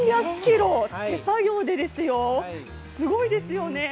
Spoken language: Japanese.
手作業でですよ、すごいですよね。